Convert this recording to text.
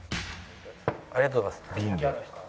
ありがとうございます。